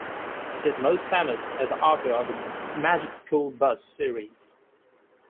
She is most famous as the author of "The Magic School Bus" series.